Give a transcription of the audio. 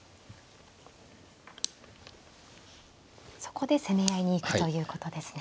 そこで攻め合いに行くということですね。